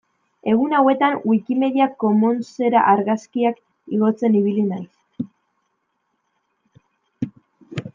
Egun hauetan Wikimedia Commonsera argazkiak igotzen ibili naiz.